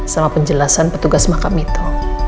sama penjelasan petugas makam itu